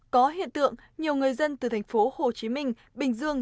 có hiện tượng nhiều người dân từ thành phố hồ chí minh bình dương